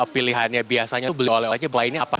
pilihannya biasanya tuh beli oleh olehnya belainnya apa